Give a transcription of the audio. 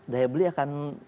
daya beli akan